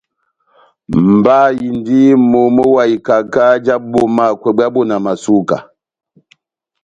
Mba indi momo wa ikaka já bomakwɛ bwá bonamasuka.